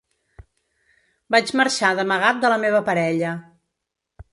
Vaig marxar d’amagat de la meva parella.